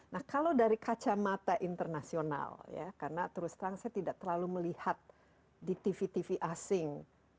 nah kalau dari kacamata internasional ya karena terus terang saya tidak terlalu melihat di tv tv asing